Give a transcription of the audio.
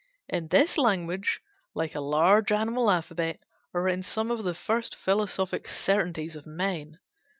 In this language, like a large animal alphabet, are written some of the first philosophic certainties of men.